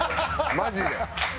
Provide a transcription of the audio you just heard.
マジで。